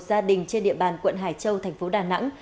gia đình trên địa bàn quận hải châu thành phố đà nẵng